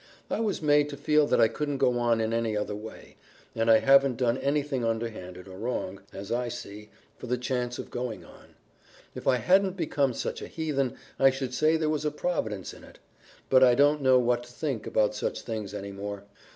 I was made to feel that I couldn't go on in any other way; and I haven't done anything underhanded or wrong, as I see, for the chance of going on. If I hadn't become such a heathen I should say there was a Providence in it, but I don't know what to think about such things any more.